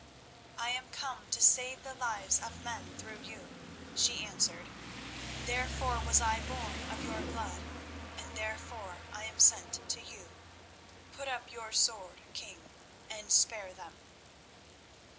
"I am come to save the lives of men through you," she answered; "therefore was I born of your blood, and therefore I am sent to you. Put up your sword, King, and spare them."